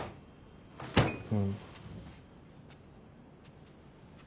うん。